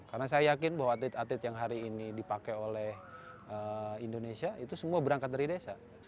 karena saya yakin bahwa atlet atlet yang hari ini dipakai oleh indonesia itu semua berangkat dari desa